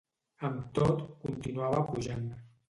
Amb tot, continuava pujant.